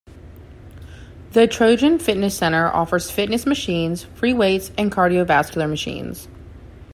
The Trojan Fitness Center offers fitness machines, free weights, and cardiovascular machines.